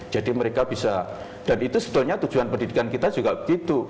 jadi mereka bisa dan itu sebetulnya tujuan pendidikan kita juga begitu